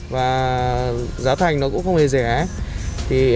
và giá thành cũng không hề rẻ ấy